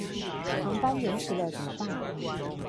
航班延遲了怎麼辦